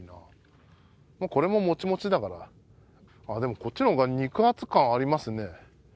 これももちもちだからあっでもこっちの方が肉厚感ありますね